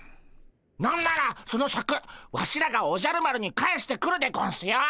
何ならそのシャクワシらがおじゃる丸に返してくるでゴンスよ。